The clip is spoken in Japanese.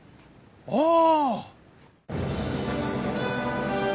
ああ！